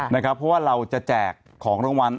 เพราะว่าเราจะแจกของรางวัล